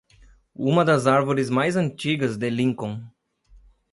Uma das árvores mais antigas de Lincoln.